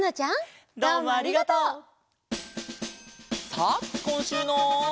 さあこんしゅうの。